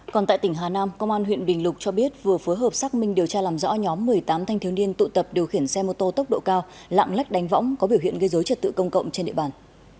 còn tại tỉnh hà nam công an huyện bình lục cho biết vừa phối hợp xác minh điều tra làm rõ nhóm một mươi tám thanh thiếu niên tụ tập điều khiển xe mô tô tốc độ cao lạng lách đánh võng có biểu hiện gây dối trật tự công cộng trên địa bàn